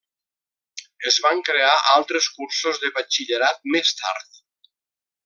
Es van crear altres cursos de batxillerat més tard.